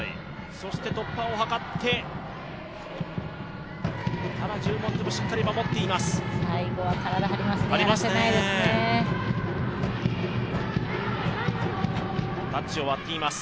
突破を図ってただ十文字もしっかり守っています。